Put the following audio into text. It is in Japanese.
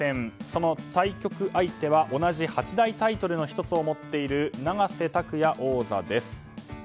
その対局相手は、同じ八大タイトルの１つを持っている永瀬拓矢王座です。